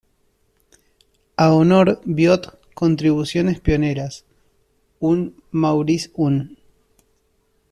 A honor Biot contribuciones pioneras, un Maurice Un.